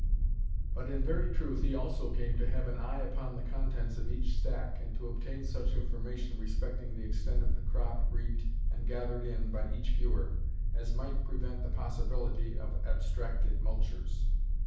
But in very truth he also came to have an eye upon the contents of each stack, and to obtain such information respecting the extent of the crop reaped and gathered in by each feuar, as might prevent the possibility of abstracted multures.